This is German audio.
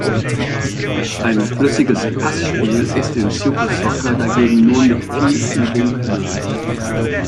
Ein flüssiges Passspiel ist in Super Soccer dagegen nur mit viel Übung möglich.